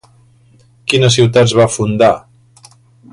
Quines ciutats va fundar?